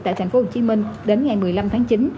tại tp hcm đến ngày một mươi năm tháng chín